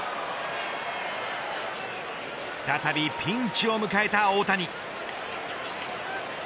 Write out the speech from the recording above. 再びピンチを迎えた大谷。